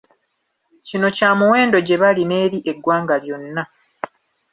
Kino kya muwendo gye bali n'eri eggwanga lyonna.